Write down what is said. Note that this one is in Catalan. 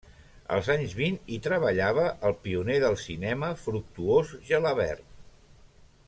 Els anys vint, hi treballava el pioner del cinema Fructuós Gelabert.